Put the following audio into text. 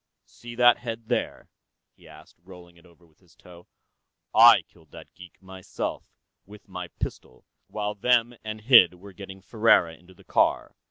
"See that head, there?" he asked, rolling it over with his toe. "I killed that geek, myself, with my pistol, while Them and Hid were getting Ferriera into the car.